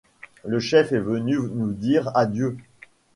Le chef est venu nous dire adieu.